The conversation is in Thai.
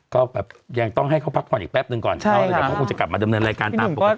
ก็แบบยังต้องให้เขาพักผ่อนอีกแป๊บนึงก่อนเขาเดี๋ยวเขาคงจะกลับมาดำเนินรายการตามปกติ